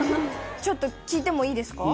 ちょっと聞いてもいいですか？